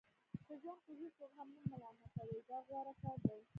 په ژوند کې هیڅوک هم مه ملامتوئ دا غوره کار دی.